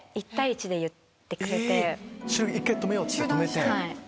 収録１回止めよう！って止めて。